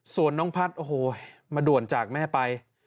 ส่วนน้องพัฒน์โอ้โหมาด่วนจากแม่ไป